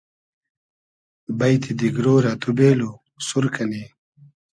بݷتی دیگرۉ رۂ تو بېلو ، سور کئنی